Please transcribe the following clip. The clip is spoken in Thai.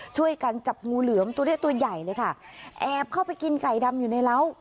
ช่วยกันจับงูเหลือมตัวเนี้ยตัวใหญ่เลยค่ะแอบเข้าไปกินไก่ดำอยู่ในเล้า